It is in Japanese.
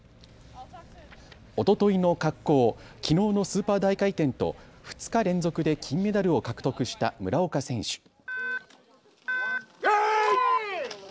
おとといの滑降、きのうのスーパー大回転と２日連続で金メダルを獲得した村岡選手。